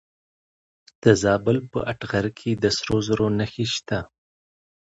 د زابل په اتغر کې د سرو زرو نښې شته.